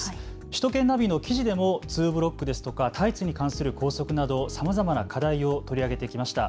首都圏ナビの記事でもツーブロックですとかタイツに関する校則など、さまざまな課題を取り上げてきました。